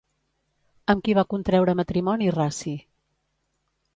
Amb qui va contreure matrimoni Raci?